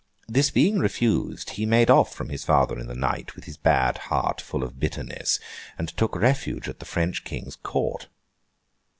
This being refused, he made off from his father in the night, with his bad heart full of bitterness, and took refuge at the French King's Court.